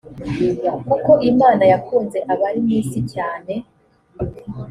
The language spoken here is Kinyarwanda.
kuko imana yakunze abari mu isi cyane